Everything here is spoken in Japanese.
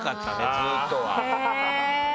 ずっとは。